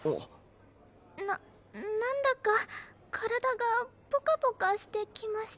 ななんだか体がポカポカしてきました。